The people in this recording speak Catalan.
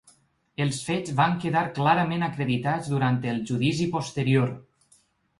Els fets van quedar clarament acreditats durant el judici posterior.